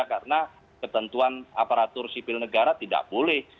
karena ketentuan aparatur sipil negara tidak boleh